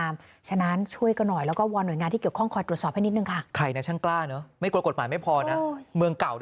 มันเป็นความสุข